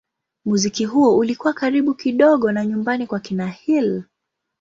Muziki huo ulikuwa karibu kidogo na nyumbani kwa kina Hill.